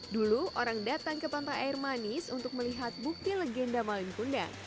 dulu orang datang ke pantai air manis untuk melihat bukti legenda malin kundang